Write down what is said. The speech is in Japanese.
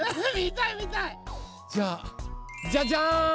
じゃあじゃじゃん！